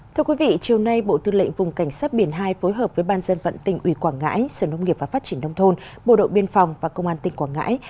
thưa quý vị chiều nay bộ tư lệnh vùng cảnh sát biển hai phối hợp với ban dân vận tình uy quảng ngãi sở nông nghiệp và phát triển nông thôn bộ đội biên phòng và công an tỉnh quảng ngãi